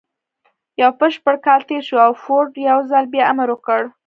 يو بشپړ کال تېر شو او فورډ يو ځل بيا امر وکړ.